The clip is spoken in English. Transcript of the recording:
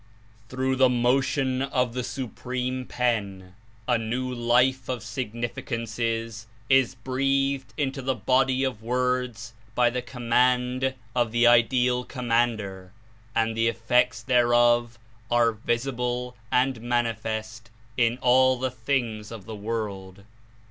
"Through the motion of the Supreme Pen a new life of significances is breathed into the body of words by the command of the Ideal Commander, and the effects thereof are visible and manifest in all the things of the world."